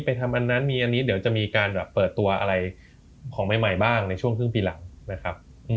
ทำอันนั้นมีอันนี้เดี๋ยวจะมีการแบบเปิดตัวอะไรของใหม่บ้างในช่วงครึ่งปีหลังนะครับ